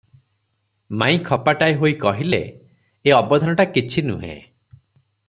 ମାଇଁ ଖପାଟାଏ ହୋଇ କହିଲେ, "ଏ ଅବଧାନଟା କିଛି ନୁହେ ।